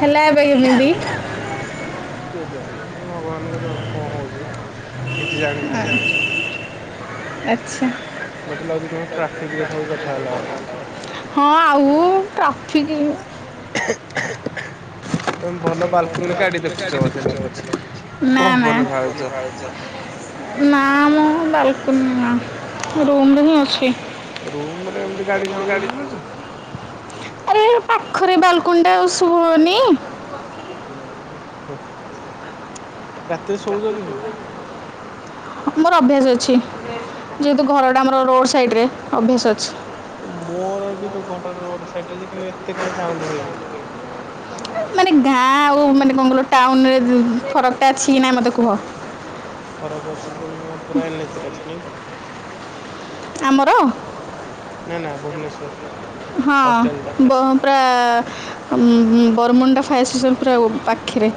ହେଲା ଏବେ କେମିତି? କିଏ ଜାଣେ ଭଗବାନଙ୍କୁ ଜଣା କଣ ହଉଛି? କିଛି ଜାଣି ହଉନି କିଛି। ଆଚ୍ଛା। ମତେ ଲାଗୁଛି ତମେ ଟ୍ରାଫିକିରେ ଥାଇ କଥା ହେଲା ବେଳେ। ହଁ ଆଉ ଟ୍ରାଫିକି। ନା ନା। ନା ମୁଁ ବାଲକୁନି ରୁମ୍ ରେ ହିଁ ଅଛି। ରୁମ୍ ରେ ଏମିତି ଗାଡି ସାଉଣ୍ତ ସୁବୁଛି। ଆରେ ପାଖରେ ବାଲକୁନିଟା ଆଉ ଶୁଭିବନି। ହୁଁ ହୁଁ। ମୋର ଅଭ୍ୟାସ ଅଛି। ଯେହେତୁ ଘରଟା ଆମର ରୋଡ୍ସ ସାଇଡ୍ରେ ଅଭ୍ୟାସ ଅଛି। ମୋର ବି ଘଡର ରୋଡ ସାଇଡ୍ ରେ କିନ୍ତୁ ଏତେ କାହିଁ ସାଉଣ୍ଡ୍ ହୁଏନି। ମାନେ ଗାଁ ଆଉ ମାନେ କଣ କହିଲ ଟାଉନ୍ ରେ ଫରକ ଟା ଅଛି କି ନାଇଁ ମତେ କୁହ। ଫରକ ଅଛି ତମେ କଣ ପୁରା ଏନଏଚରେ ଅଛ ନାଇଁ କି। ଆମର। ନା ନା ଭୁବନେଶ୍ଵର ହଷ୍ଟେଲ୍ ଟା। ପୁରା ବରମୁଣ୍ଡା ଫାୟାର୍ ଷ୍ଟେସନ୍ ପୁରା ପାଖେରେ।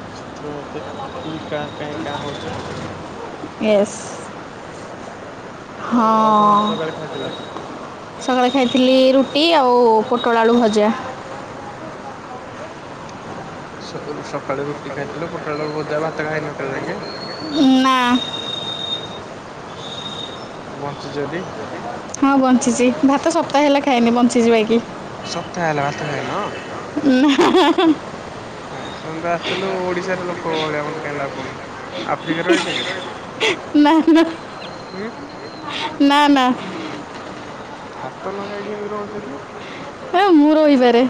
ଆଉ ସେଥିପାଇଁ ଏତେ କୁ କାଁ କେଁ କାଁ ହଉଛି ଆଉ। ୟେଶ୍। ହଉ ଆଉ କଣ ସକାଳେ ଖାଇଥିଲ? ସକାଳେ ଖାଇଥିଲି ରୁଟି ଆଉ ପୋଟଳ ଆଳୁ ଭଜା। ସ -ସକାଳେ ରୁଟି ଖାଇଥିଲ ପୋଟଳ ଆଳୁ ଭଜା ଭାତ ଖାଇ ନଥିଲ ଙ୍କେ? ନା। ବଞ୍ଚିଚ ଟି? ହଁ ବଞ୍ଚିଚି, ଭାତ ସପ୍ତାହ ହେଲା ଖାଇନି ବଞ୍ଚିଚି ବାକି। ସପ୍ତାହ ହେଲା ଭାତ ଖାଇନ? ନା। ଆସନ୍ତା ଆସିଥିଲୁ ଓଡିଶାର ଲୋକ ଭଳିଆ ମୋତେ କାଇଁ ଲାଗୁନୁ। ଆଫ୍ରିକା ରୁ ଆଇଚ କି? ଉଁ, ନା, ନା। ଭାତ ନ ଖାଇ କେମିତି ରହୁଚ କି? ଏ ମୁଁ ରହିପାରେ।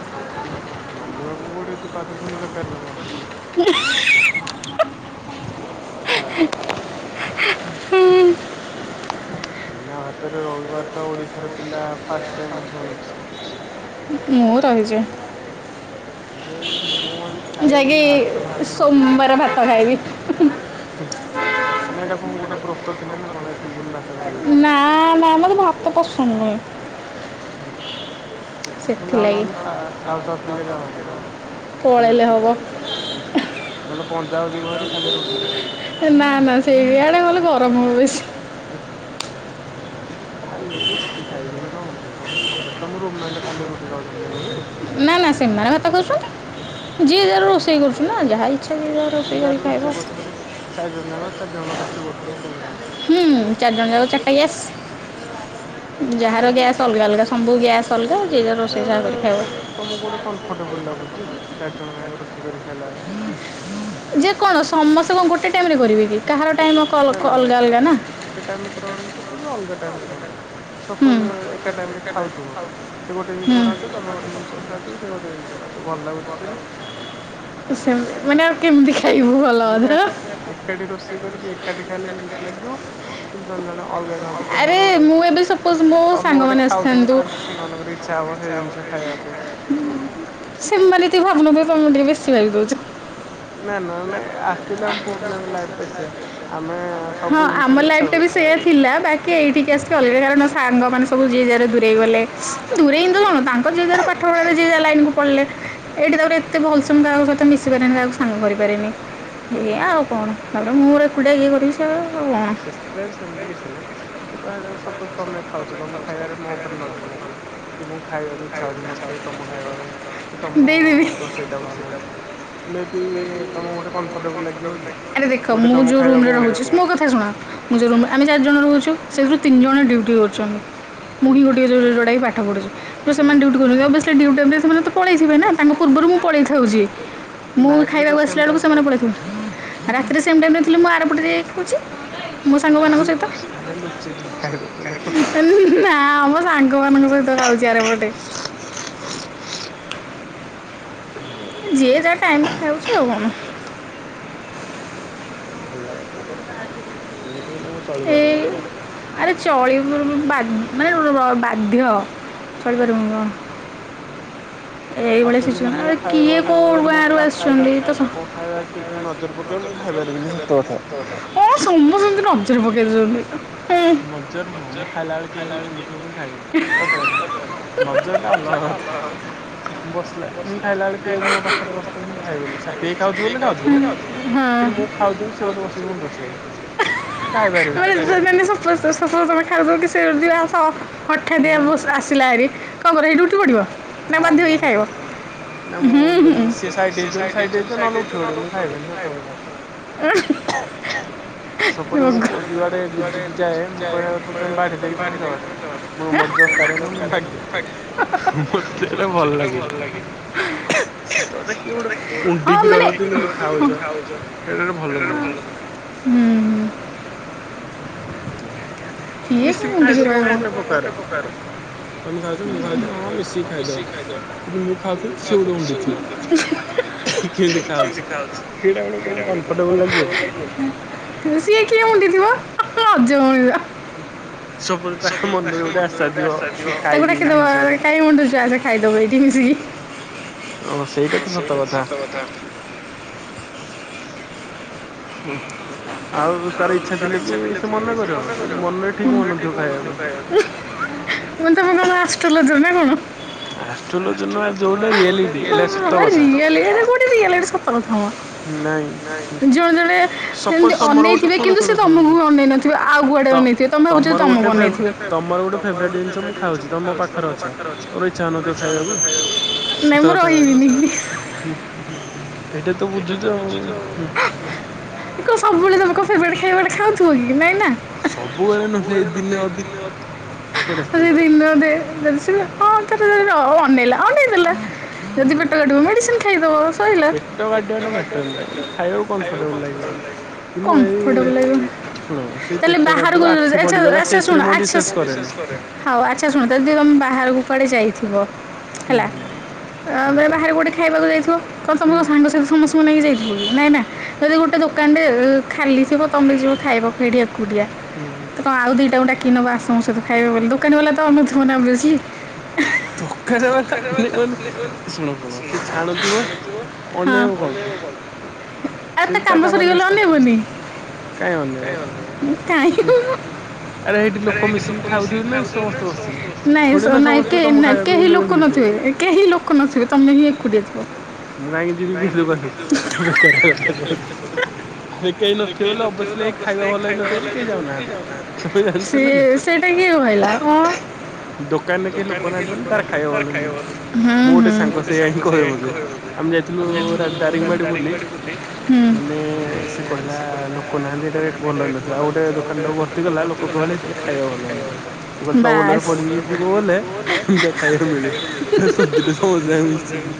ମାନିବାକୁ ପଡୁଚି ପାଦଧୂଳି ଦରକାର ତୋମର ଟିକେ। ନା। ହଁ ଛାଡ ଛାଡ। ବିନା ଭାତରେ ରହିପାରୁଥିବା ଓଡିଶାର ପିଲା ଫାଷ୍ଟ ଟାଇମ୍ ମୁଁ ଶୁଣୁଛି। ମୁଁ ରହିଯିବି। ରହିଯିବ ହେଲେ ମୁଁ ହେଲେ ଖାଇବି ମୁଁ ଭାତ ନ ଖାଇଲେ ରହିପାରିବି ପରେ ଭାତ ଖାଇବି। ହୁଁ, ମାନେ ଏଇଟା କଣ ଗୋଟେ ବ୍ରତ ଥିଲା ନା କଣ ଏତିକି ଦିନ ଭା ନା ନା ମୋତେ ଭାତ ପସନ୍ଦ ନୁହେଁ। ହୁଁ ତୋମେ ଯାଅ ନହଲେ ସା-ସାଉଥ ଆଫ୍ରିକା ଯାଅ ନହେଲେ। ଖାଲି ରୁଟି ଖାଇବ ଉଁ, ନହେଲେ ପଞ୍ଜାବ ଯିବ ଭାରି ଖାଲି ରୁଟି ଖାଇବ। ଏ ନା ନା ସେଇ ଆଡ଼େ ଗଲେ ଗରମ ହବ ବେଶି। ଉଁ, ଆ, ଖାଲି ରୁଟି ଖାଇକି କେମିତି ରହୁଚ ମୁଁ ଭାବୁଚି। ତୋମ ରୁମ୍ ମେଣ୍ଟ ଖାଲି ରୁଟି ଖାଉଛନ୍ତି ହେଲେ ବି? ନା ନା ସେମାନଙ୍କର ତ କରୁଛନ୍ତି। ଯିଏ ଯା ରୋଷେଇ କରୁଛିନା ଯାହା ଇ ସେ ଦି ଜଣ ରୋଷେଇ କରିକି ଖାଇବ। ପରେ ଚାରି ଜଣ ଯାକ, ଚାରି ଜଣ ରୋଷେଇ କରୁଛନ୍ତି ନା କେମତି କଣ? ହୁଁ ଚାରିଜଣ ଯାକ ଚାଟା ଗ୍ୟାସ୍। ଯାହାର ଗ୍ୟାସ୍ ଅଲଗା ଅଲଗା ସବୁ ଗ୍ୟାସ୍ ଅଲଗା ଯିଏ ଯାହାର ରୋଷେଇ ଯାହା କରିକି ଖାଇବ। ତୋମକୁ ଗୋଟେ କମ୍ଫର୍ଟେବୁଲ ଲାଗୁଚି ଚାରି ଜଣ ଯାଙ୍କ ରୋଷେଇ କରିକି ଖାଇଲା ବଳେ? ଯେ କଣ ସମସ୍ତେ କଣ ଗୋଟେ ଟାଇମ୍ ରେ କରିବେ କି, କାହାର ଟାଇମ୍ କ- ଅଲଗା ଅଲଗା ନା। ଗୋଟେ ଟାଇମ୍ ରେ କରନ୍ତୁ କି ଅଲଗା ଟାଇମ୍ ରେ କରନ୍ତୁ। ସପୋଜ୍ ଏକା ଟାଇମ୍ ରେ ଖାଉଥିବ ସେ ଗୋଟେ ଜିନିଷ ଖାଉଥିବ, ତୋମେ ଗୋଟେ ଜିନଷ ଖାଉଥିବ, ସେ ଗୋଟେ ଜିନିଷ ଖାଉ ତୁ ଭଲ ଲାଗୁଛି ସେମିତି? ସେ ମାନେ ଆଉ କେମିତି ଖାଇବୁ ଭ ମୁଁ କହିବା କଥା ଏକାଠି ରୋଷେଇ କରିକି ଏକାଠି ଖାଇଲେ କେମିତି ଲାଗିବ କିନ୍ତୁ ଜଣ ଜଣ ଅଲଗା ଖାଉଥୁବ, ତୋମର ଗୋଟେ ତୋମେ ଗୋଟେ ଖାଉଥିବ ତାଙ୍କ ସାଙ୍ଗ ମାନଙ୍କର ଇଚ୍ଛା ହବ ସେଇ ଜିନିଷ ଖାଇବା ପାଇଁ। ସେମାନେ ଏତିକି ଭାବୁନଥିବେ ତୋମେ ଟିକେ ବେଶି ଭାବିଦଉଛ। ନା ନା ନାଇଁ ଆକ୍ଚୁଲି ଆମ ପୁଅ ପିଲାଙ୍କ ଲାଇଫ୍ ଟା ସେୟା ଆମେ ହଁ ଆମ ଲାଇଫ ଟା ବି ସେୟା ଥିଲା ବା କି ଏଇଠିକି ଆସିକି ଅଲଗା କାରଣ ସାଙ୍ଗ ମାନେ ସବୁ ଯିଏ ଯାର ଦୂରେଇ ଗଲେ। ଦୂରେଇ ଏମତି କଣ ତାଙ୍କ ଯିଏ ଯାର ପାଠପଢାରେ ଯିଏ ଯାହା ଲାଇନ୍ କୁ ପଲେଇଲେ। ଏଇଠି ତା'ପରେ ଏତେ ଭଲ୍ ସେ, ମୁଁ କାହା ସହିତ ମିଶି ପାରେନି, କାହାକୁ ସାଙ୍ଗ କରିପାରେନି। ଏୟା ଆଉ କଣ? ତା'ପରେ ମୁଁ ମୋର ଏକୁଟିଆ ଇଏ କରିଛି, ଆଉ କଣ? ଡେସ୍କାରାଇବ୍ ସେମିତି କିଛି ନାହିଁ। ମୁଁ କହିବା କଥା ସପୋଜ୍ ତୋମେ ଖାଉଚ ତୋମ ଖାଇବାରେ ମୋ ଉପରେ ନଜର ଲାଗିଲା। କି ମୁଁ ଖାଇବାକୁ ଇଚ୍ଛା ହଉଚୁ ମୋର ସେ ତୋମ ଖାଇବା ପାଇଁ କି ତୋମ ରୋଷେଇ ଟା ଭଲ ହେଇଛି। ଆରେ ଦେଖ ମୁଁ ଯୋଉ ରୁମ୍ ରେ ରହୁୁଚି। ମୋ କଥା ଶୁଣ ମୁଁ ଯେ ରୁମ୍, ଆମେ ଚାରିଜଣ ରହୁଛୁ ସେଥିରୁ ତିନି ଜଣ ଡ୍ୟୁଟି କରୁଛନ୍ତି। ମୁଁ ହିଁ ଗୋଟିଏ ଯୋଉ ଯୋଉଟା କି ପାଠ ପଢୁଛି ତ ସେମାନେ ଡିଉଟି କରୁଛନ୍ତି ଓଭିଅସଲି ଡିଉଟି ଟାଇମ ରେ ସେମାନେ ତ। ପଳେଇଥିବେ ନା ତାଙ୍କ ପୂର୍ବରୁ ମୁଁ ପଳେଇଥାଉଛି ମୁଁ ଖାଇବାକୁ ଆସିଲା ବେଳକୁ ସେମାନେ ପଳେଇଥିବେ। ରାତିରେ ସେମ୍ ଟାଇମରେ ଥିଲେ ମୁଁ ଆରପଟରେ। ପୁଛି। ତାହେଲେ ତାହେଲେ ଲୁଚିକିନି ଖାଇ ଦଉଛ ନା କଁ। ନା ମୋ ସାଙ୍ଗ ମାନଙ୍କ ସହିତ ଖାଉଛି ଆରେ ପଟେ। ଯିଏ ଯା ଟାଇମ ରେ ଖାଉଛି ଆଉ କଣ। ହଉ ଭଲ କଥା ଏମିତି କିନ୍ତୁ ମୁଁ ଚଳି ପାରିବିନି। ଆରେ ଚଳି ବୁଁ ବୁ ବା ମାନେ କଣ ବା ବାଧ୍ୟ। ଚଳି ପାରିବୁନୁ ‌କଣ। ଏଇଭଳିଆ ସିଚୁଏସନ ଆବେ କିଏ କୋଉ ଗାଁରୁ ଆସିଛନ୍ତି ତ ଖାଇବା କିଏ ତତେ ନଜର ପକେ କେଇବ ମୁଁ ଖାଇ ପାରିବିନି। ହଁ ସମସ୍ତେ ଯେମିତି ନଜର ପକେଇଦଉଛନ୍ତି। ନଜର ନୁହଁ ମୁଁ ଖାଇଲା ବେଳେ କିଏ ଏମତି ଉଣ୍ଡୁଥିବ ମୁଁ ଖାଇବନି ସତ କଥା। ନଜର ଟା ଅଲଗା କଥା। ମୁଁ ବସିଲା ମୁଁ ଖାଇଲା ବେଳେ କିଏ ଯଦି ମୋ ପାଖରେ ବସିଥିବ ମୁଁ ଖାଇବିନି ସାଥି ହୋଇ ଖାଉଥିବୁ ବୋଲି ଖାଉଥିବୁ। [unintelligible] ତ ଶସୁଅ ତମେ ଖାଉଚ କି, ସେ ଯିଏ ଆସ ହଠାତେ ବସ୍ ଆସିଲା ଆରି କଣ କରିଅ, ହେଇଠୁ ଉଠି ପଡ଼ିବ? ହଁ, ମୁଁ ହେଇଠୁ ଉଠି ପଡି। ନା, ମୁଁ ଯଦି ସିଏ ସାଇଡ୍ ହେଇଯିବଲେ, ସାଇଡ୍ ହେଇଯିବ ନହେଲେ ଉଠି ପଡି, ମୁଁ ଖାଇବିନି ସତକଥା। ଆଁ। [inaudible] ସପୋଜ ମୁଁ କୁ ଯୁଆଡେ ଯିବି ଯାଏ ମୁଁ କହେ ତ ତମେ ବାଢି ଦେଇକି ତମେ ଜାଅ ଭାରି। ମୁଁ କଇବି ମତେ ଦରକାର ହେଲେ ମୁ ମାଗିବି ମତେ ଏଇଟା ଭଲ ଲାଗେନି ‌। ସତ କଥା କିଏ ଗୋଟେ ଉଣ୍ଡିକି ରହିବ ତୁମେ ଯେମିତି ଖାଉଛ ସେଇଟା ଗୋଟେ ଭଲ ନୁହେଁ ‌। ହୁଁ। ହୁଁ। କିଏ କାଇଁ ଉଣ୍ଡିକି ରହିବ। [unintelligible] [unintelligible] ସିଏ କିଏ ଉଣ୍ଡି ଥୀବ ଅଜବ ମଣିଷ। ତାକୁ ଡାକିଦବ ଏ କାଇଁ ଉଣ୍ଡୁଛୁ ଆସେ ଖାଇଦବୁ ଏଇଠି ମିଶିକି। ହଁ ସେଇଟା ତ ସତ କଥା। ହୁଁ। ଆଉ ତାର ଇଚ୍ଛା ଥିଲେ ବି ସେ ମନା କରିବ କିନ୍ତୁ ମନରେ ଠିକ ମନଥିବ ଖାଇବା ପାଇଁ। ମୁଁ କଇଲି ତମେ କଣ ଆଷ୍ଟୋଲୋଜର ନା କଣ। [unintelligible] ରିଆଲିଟି ସତ କଥା ମ ଜଣେ ଜଣେ। ସେମିତି ଅନେଇଥେ କିନ୍ତୁ ସେ ତମକୁ ବି ଅନେଇ ନଥିବ ଆଉ କୁଆଡେ ଅନେଇଥିବେ ତମେ ଭାବୁଛ ତମକୁ ଅନେଇଥିବେ। ତମର ଗୋଟେ ଫେବରାଇଟି ଜିନିଷ ମୁଁ ଖାଉଛି ତମେ ମୋ ପାଖରେ ଅଛ‌ ତମର ଇଛା ହଉ ନଥୀବ ଖାଇବାକୁ। ନାହିଁ ମୁଁ ରହିବିନି। ହୁଁ ଏଇଟା ତ ବୁଝୁଛ ଆଉ। କଁ ସବୁବେଳେ ତମେ କଁ ଫେବେରାଇଟ ଖାଇବାଟା ଖାଉଥିବ କି ନାଇଁ ନା। ହଁ ସେଇ ଦିନେ ଅଧେ। ହଁ ଥରେ ଜଦିଟେ ହଉ ଅନେଇଲା ଅନେଇଦେଲା। ଯଦି ପେଟ କାଟିବ ମେଡିସିନ ଖାଇଦବ ସଇଲା। କି ମୁଁ ଏଇ। ଶୁଣ ସେଇ ପେଟ କାଟିବ ଆଖି ପଡିଗଲା ସେଇଥିରେ ମୁଁ ବିଶ୍ଵାସ କରେନି। ହଉ ଆଚ୍ଛା ଶୁଣନ୍ତୁ ଜଦି ତମେ ବାହାରକୁ କଆଡେ ଯାଇଥିବ। ହେଲା ବେଳେ ବାହାରେ କୁଆଡେ ଖାଇବାକୁ ଯାଇଥିବ କଣ ତୁମ ସାଙ୍ଗ ସାଥି ସମସ୍ତ ସ୍ତଙ୍କୁ ନେଇ କି ଯାଇଥିବ କି ନାଇଁ ନା ଯଦି ଗୋଟେ। ଏ ଦୋକାନଟେ ଖାଲି ଥିବ ତୁମେ ଯିବ ଖାଇବ ଖାଇଠିଆକୁଟିଆ ହୁଁ ହୁଁ କଣ ଆଉ ଦିଟା ଗୋଟା କିଣବା ଆସ ସଧୁ ଖାଇବେ ବୋଲି ଦୋକାନ ବାଲା ତ ଅନୁଧବନା ବିୁଛି ହଁ [inaudible] ନାଇଁ ନାଇଁ କେହି ଲୋକ ନଥିବେ କେହି ଲୋକ ନଥିବେ ତମେ ହିଁ ଏକୁଟିଆ ଥି ମୁଁ କାହିଁକି ଯିବି କି ସେବାଟକୁ ବେକାରଟାରେ [inaudible] ଲ ଖାଇବା କେ ଯାଉ ସେ ସେଇଟା କିଏ କହିଲା ହ ଦୋକାନ କି ଲୋକମାନେ ଥିବେ ଖାଇବାଭଲ ହୁଁ ହୁଁ ମୋର ଗୋଟେ ସାଙ୍ଗ ସେ [inaudible] ମାନେ ସେ କହିଲା ଲୋକ ନାହାନ୍ତି ଏଇଟା ଭଲ ହେଇନିବ ଆଉ ଗୋଟେ ଦୋକାନ ଟାକୁ ଭ ତି କଲା ଲୋକ ଗହଳି ହେଇଥିଲେ ଖାଇବା ଭଲ ହେଇନଥିଲା ମୁଁ କହିଲି ତୋ ଓଲରେ ପଡିକି ଯିବ ବଲେ ଏମିତିକା ଖାଇବା ମିଳିବ ସିଲୁ ସମସ୍ତ ମିଶିକି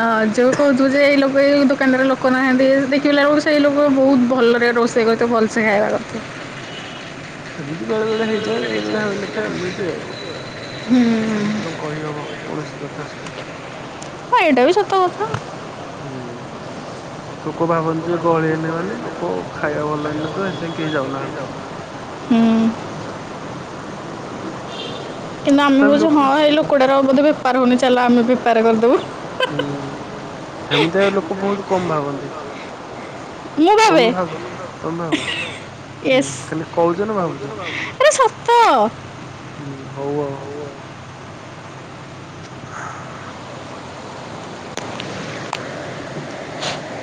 ଅ ଯଉ କହୁଛୁ ଯେ ଏଇ ଲ ଏଇ ଦୋକାନରେ ଲୋକ ନାହାନ୍ତି ଦେଖିଲା ବେଳକୁ ସେଇ ଲୋକ ବହୁତ ଭଲରେ ରୋଷେଇ କରିଥା ଭଲସେ ଖାଇବା କଥା ଏମିତି ବେଳେ ବେଳେ ହେଇଯାଏ ବେଳେ ବେଳେ ହେଇନଥାଏ ଏମିତି ଆଉ ସେମିତି କଣ କହିହବ କୌଣସି କଥା ହାଇଟା ବି ସତ ବତ ହୁଁ ଲୋକ ଭାବନ୍ତି ଯେ ଗହଳି ହେନି ମାନେ ଲୋକ ଖାଇବା ଭଲ ହେଇନି ତ ସେଥିପାଇଁ କେହି ଯାଉନାହାନ୍ତି ହୁଁ କିନ୍ତୁ ଆମେ ହେଉଛୁ ହଁ ଏଇ ଲୁକୁଡ଼ାର ବୋଧେ ବେପାର ହେଉନି ଚାଲ ଆମେ ବୋର କରିଦବୁ ହୁଁ ଏମିତି ଆଉ ଲୋକ ବହୁତ କମ ଭାବନ୍ତି ମୁଁ ଭବେ ସ୍ ଏରେ ସତ ହୁଁ ହଉଉ ହ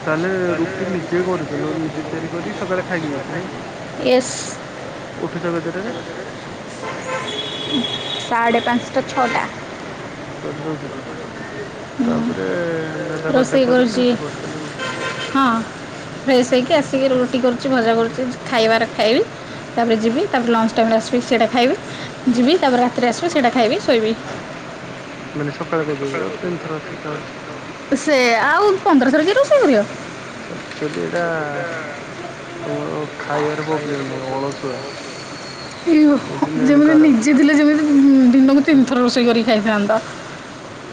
ତାହେଲେ ରୁଟି ନିଜେ କରୁଛ ନିଜେ ତିଆରି କର ସକାଳେ ଖାଇକି ଯାଇଛ ନ କି ଉଠୁଛ କେତଟରେ ସାଢ଼େ ପାଞ୍ଚଟା ଛଅଟା ଛରରେ ଉଠୁଛ ତାପରେ ଗାଧା ଫାଧା କରିକି ରୁଟି କରୁଛ ନ କି ହଁ ଫ୍ରେେଶ ହେଇକି ଆସିକି ରୁଟି କରୁଛି ମଜା କରୁଛି ଖାଇବାର ଖାଇବି ତାପରେ ଯିବି ତାପରେ ଲଞ୍ଚଟା ଉପରେ ଆସିବି ସେଇଟା ଖାଇବି ଯିବ ତାବ ରାତିରେ ଆସ ବି ସେଇଟା ଖାଇବି ଶୋଇବି ମାନେ ସକାଳେ କରିଦେଉଛ ତିନିଥର ଶିଖାାଉଛୁ ସେ ଆଉ ପନ୍ଦରଶରୁ କିରୁୁ ସେିଖରେଉ ଚୁଲି ଏଇଟା ତମର ଖାଇବାର ପ୍ରୋବ୍ଲେମ ନାହିଁ ଅଳସୁଆ ଯେମିତି ନିଜେ ଥିଲେ ଯେମିତି ଦିନକୁ ତିନିଥର ରୋଷେଇ କରିକି ଖାଇଥାନ୍ତା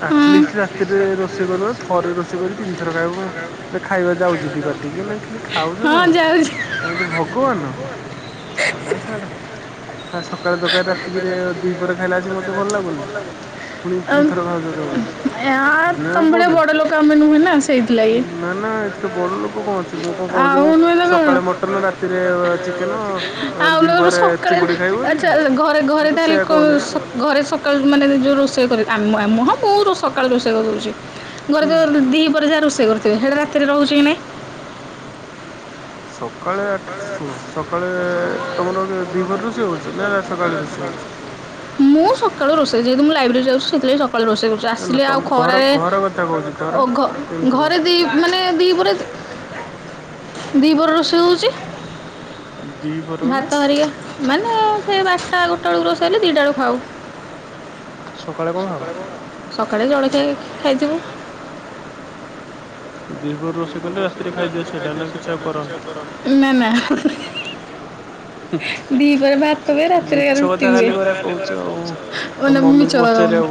ଆଟଲିଷ୍ଟ ରାତିରେ ରୋଷେଇ କରୁ ଥରେ ରୋଷେଇ କରି ତିନି ଥର ଖାଇବ ସେ ଖାଇବା ଯାଉଛି ଟି ପାାଟିକି ନାଇ କିମତି ଖାଉଛ ତମେ ତମେ ତ ଭଗବାନ ଛାଡ ଛାଡ ସକାଳେ ତକା ରାତିକିରେ ଦିପରା ଖାଇଲା ଆସି ମତେ ଭଲ ଲାଗୁନି ପୁଣି ଥର ଖାଉଛ ତମେ ଆ ତମ ଭଳିଆ ବଡ ଲୋକ ଆମେ ନୁହେଁ ନା ସେଇଥିଲାଗ ଆଉ ନୁହେଁ ଲ ଆଉ ଆଚ୍ଛା ଘରେ ଘରେ ତା ହେଲେ କ ଘରେ ସକାଳୁ ମାନେ ନିଜ ରୋଷେଇ କର ଆମ ଆ ମୁ ହଁ ବହୁ ସକାଳୁ ରୋଷେଇ କରୁଛି ଘରେ ତ ଦି ପରେ ଯାହା ରୋଷେଇ କରୁଥିବେ ସେଇରା ରାତିରେ ରହୁଛି କି ନାହିଁ। ସକାଳେ ଆଠ ଶୁଣ ସକାଳେ ତମର ଦି ଭାର ରୋଷେଇ ହଉଛି ନା ସକାଳେ ରୋଷେଇ ହଉଛି। ମୁଁ ସକାଳୁ ରୋଷେଇ ଯେହେତୁ ଲାଇବ୍ରେରୀ ଯାଉଛି ସେଥିଲାଗି ସକାଳୁ ରୋଷେଇ କରୁଛି। ଚାସିଲେ ଆଉ ଖରାରେ ଓ ଘରେ ଦି ମାନେ ଦି ପରେ। ଦି ବର ରୋଷେଇ ହୋଉଛି। ଦିଵ ଭାତ ହରିକା ମାନେ ସେଇ ବାରଟା ଗୋଟେ ବେଳକୁ ରୋଷେଇଲେ ଦିଟା ବେକୁ ଖାଉ। ସକାଳେ କଣ ହବ। ସକାଳେ ଜଳଖିଆ ଖାଇଯିବୁ। ଦୁହି ପହର ରୋଷେଇ କଲେ ରାତିରେ ଖାଇଦିଅ ସେଇଟା ନା କିଛି ଆଉ କରନି। ନା ନା। ଦିପହର ଭାତ ହୁଏ ରାତିରେ ରଟି ହୁଏ। ଅନା ମିଛକଥା କହନି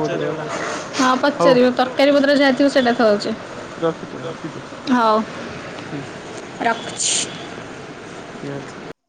ହଁ ପଚାର ତରକାରୀ ପତ୍ର ଯାହା ଥିବ ସେଇଟା ଖାଉଛି। ରଖିଦିଅ ରଖିଦିଅ। ହୋଉ ରଖୁଛି। ନିହାତି।